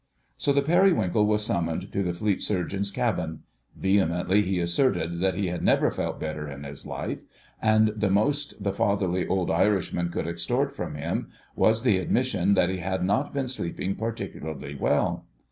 So the Periwinkle was summoned to the Fleet Surgeon's cabin. Vehemently he asserted that he had never felt better in his life, and the most the fatherly old Irishman could extort from him was the admission that he had not been sleeping particularly well.